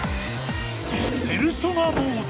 ペルソナモード。